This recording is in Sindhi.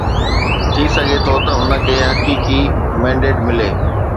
ٿي سگهي ٿو هن کي حقيقي مينڊيٽ ملي.